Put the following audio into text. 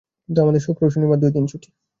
কিন্তু আমাদের শুক্র ও শনিবার দুই দিন ছুটি।